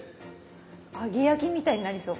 揚げ焼きみたいになりそう。